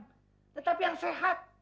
tetapi yang sehat